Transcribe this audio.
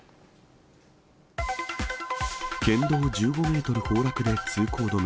県道１５メートル崩落で通行止め。